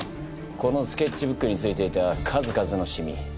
このスケッチブックについていた数々のシミ。